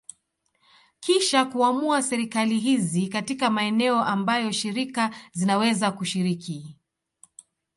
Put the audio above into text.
Kisha kuamua serikali hizi katika maeneo ambayo shirika zinaweza kushiriki.